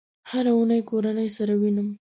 هره اونۍ کورنۍ سره وینم